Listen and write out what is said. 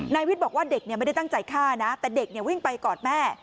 นายวิทย์บอกว่าเด็กไม่ได้ตั้งใจฆ่านะแต่เด็กวิ่งไปกอดแม่